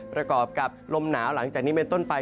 ประกอบกับลมหนาวหลังจากนี้เป็นต้นไป